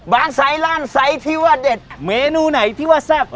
ไซส์ล่านไซส์ที่ว่าเด็ดเมนูไหนที่ว่าแซ่บ